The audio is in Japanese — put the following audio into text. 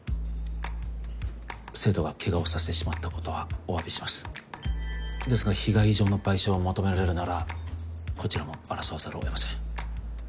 生徒がケガをさせてしまったことはお詫びしますですが被害以上の賠償を求められるならこちらも争わざるをえません